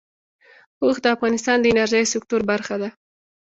اوښ د افغانستان د انرژۍ سکتور برخه ده.